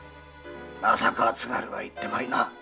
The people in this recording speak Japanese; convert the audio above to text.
まさか津軽へは行っていまいな。